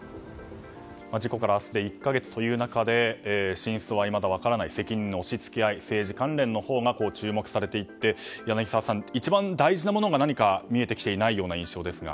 事故から明日で１か月という中で真相はいまだ分からない責任の押し付け合い政治関連のほうが注目されていって、柳澤さん何か、一番大事なものが見えてきていないような印象ですが。